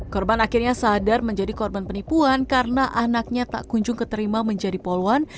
korban akhirnya sadar menjadi korban penipuan karena anaknya tak kunjung keterima menjadi poluan